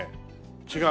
違う？